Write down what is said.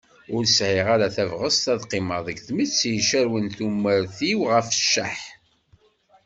Ur sɛiɣ ara tabɣest ad qqimeɣ deg tmetti icerwen tumert-iw ɣef cceḥ.